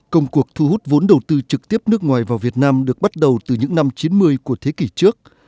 công cuộc thu hút vốn đầu tư trực tiếp nước ngoài vào việt nam được bắt đầu từ những năm chín mươi của thế kỷ trước